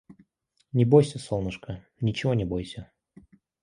Не бойся солнышко, ничего не бойся.